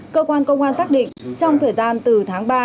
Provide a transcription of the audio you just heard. cơ quan công an xác định trong thời gian từ tháng ba